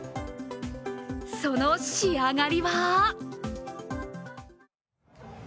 その仕上がりは？